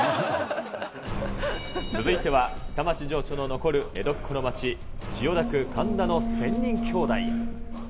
続いては下町情緒の残る江戸っ子の街、千代田区神田の仙人兄弟。